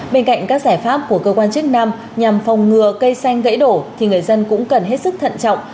bên cạnh các giải pháp của cơ quan chức năng nhằm phòng ngừa cây xanh gãy đổ thì người dân cũng cần hết sức thận trọng